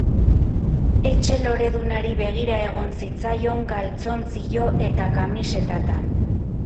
Etxe loredunari begira egon zitzaion galtzontzillo eta kamisetatan.